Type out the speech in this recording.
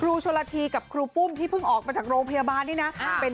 ชนละทีกับครูปุ้มที่เพิ่งออกมาจากโรงพยาบาลนี่นะ